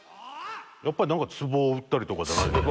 「やっぱりなんか壺を売ったりとかじゃないの？」